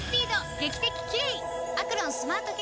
劇的キレイ！